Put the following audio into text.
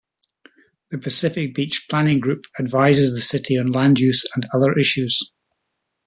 The Pacific Beach Planning Group advises the city on land use and other issues.